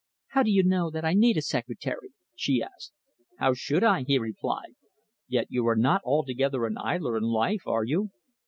"How do you know that I need a secretary?" she asked. "How should I?" he replied. "Yet you are not altogether an idler in life, are you?"